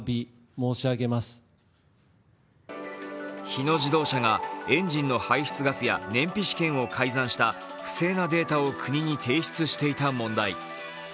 日野自動車がエンジンの排出ガスや燃費試験を改ざんした不正なデータを国に提出していた問題。